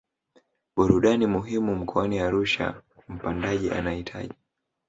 burudani muhimu mkoani Arusha Mpandaji anahitaji